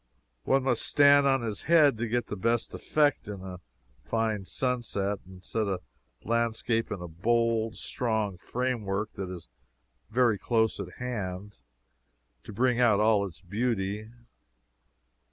One must stand on his head to get the best effect in a fine sunset, and set a landscape in a bold, strong framework that is very close at hand, to bring out all its beauty.